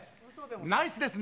ナイスですね！